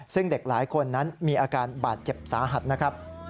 ซึ่งเด็กหลายคนนั้นมีอาการบาดเจ็บสาหัสนะครับ